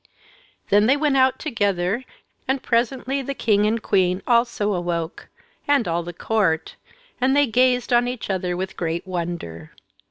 Then they went out together, and presently the king and queen also awoke, and all the court, and they gazed on each other with great wonder.